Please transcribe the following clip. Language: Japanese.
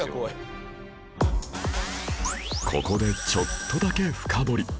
ここでちょっとだけ深掘り